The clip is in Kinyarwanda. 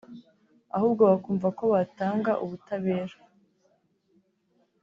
ahubwo bakumva ko batanga ubutabera